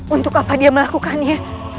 untuk apa dia melakukannya